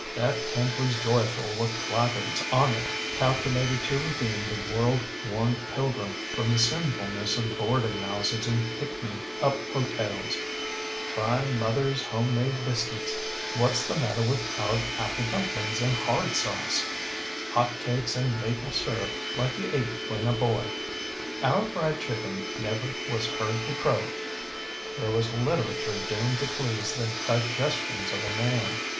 That tent was joyful with placards on it calculated to redeem the world worn pilgrim from the sinfulness of boarding houses and pick me up hotels. ŌĆśTry MotherŌĆÖs Home Made Biscuits, ŌĆÖ ŌĆśWhatŌĆÖs the Matter with Our Apple Dumplings and Hard Sauce? ŌĆÖ ŌĆśHot Cakes and Maple Syrup Like You Ate When a Boy, ŌĆÖ ŌĆśOur Fried Chicken Never Was Heard to CrowŌĆÖŌĆö there was literature doomed to please the digestions of man!